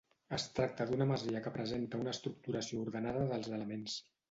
Es tracta d'una masia que presenta una estructuració ordenada dels elements.